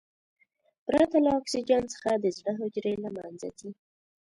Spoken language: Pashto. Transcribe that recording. پرته له اکسیجن څخه د زړه حجرې له منځه ځي.